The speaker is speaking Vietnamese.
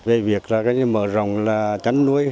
về việc mở rộng chăn nuôi